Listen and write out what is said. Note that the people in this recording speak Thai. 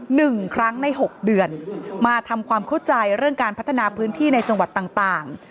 หนึ่งครั้งในหกเดือนมาทำความเข้าใจเรื่องการพัฒนาพื้นที่ในจังหวัดต่างต่าง